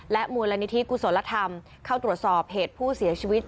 มูลนิธิกุศลธรรมเข้าตรวจสอบเหตุผู้เสียชีวิต